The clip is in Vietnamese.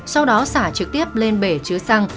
sau đó xả trực tiếp lên bể chứa xăng